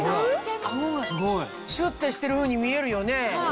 顎がシュってしてるふうに見えるよね。